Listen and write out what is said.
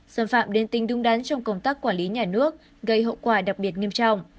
xâm phạm đến tình đúng đắn trong công tác quản lý nhà nước gây hậu quả đặc biệt nghiêm trọng